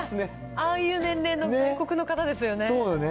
ああいう年齢の外国の方ですよね。